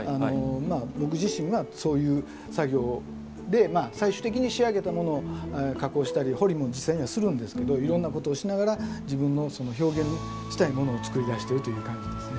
僕自身はそういう作業で最終的に仕上げたものを加工したり彫りも実際にはするんですけどいろんなことをしながら自分の表現したいものを作り出してるという感じですね。